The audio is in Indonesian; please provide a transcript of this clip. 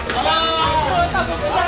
tante bangun tante